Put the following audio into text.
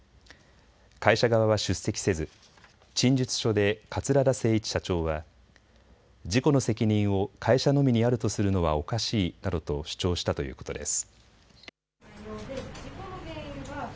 会社側は出席せず陳述書で桂田精一社長は事故の責任を会社のみにあるとするのはおかしいなどと主張したということです。